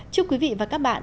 chúc quý vị và các bạn